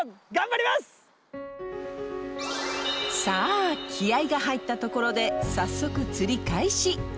さあ気合いが入ったところで早速釣り開始！